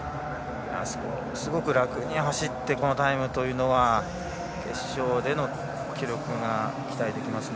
すごく楽に走ってこのタイムというのは決勝での記録が期待できますね。